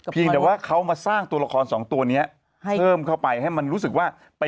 เพียงแต่ว่าเขามาสร้างตัวละครสองตัวนี้เพิ่มเข้าไปให้มันรู้สึกว่า